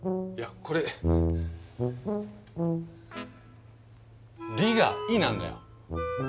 いやこれ「り」が「い」なんだよ。